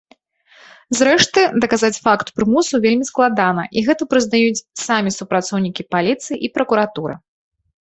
Зрэшты, даказаць факт прымусу вельмі складана, і гэта прызнаюць самі супрацоўнікі паліцыі і пракуратуры.